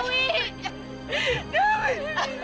bibi udah bibi